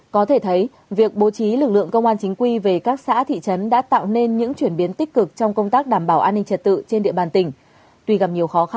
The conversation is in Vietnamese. có thể thấy việc bố trí lực lượng công an chính quy về các xã thị trấn đã tạo nên những chuyển biến tích cực trong công tác đảm bảo an ninh trật tự trên địa bàn tỉnh